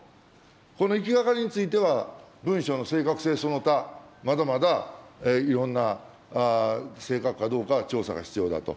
このいきがかりについては、文書の正確性その他、まだまだいろんな正確かどうか、調査が必要だと。